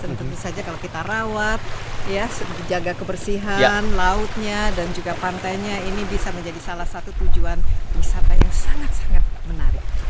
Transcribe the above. dan tentu saja kalau kita rawat jaga kebersihan lautnya dan juga pantainya ini bisa menjadi salah satu tujuan wisata yang sangat sangat menarik